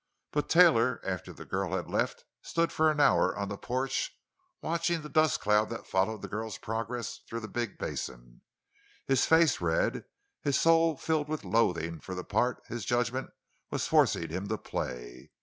But Taylor, after the girl had left, stood for an hour on the porch, watching the dust cloud that followed the girl's progress through the big basin, his face red, his soul filled with loathing for the part his judgment was forcing him to play.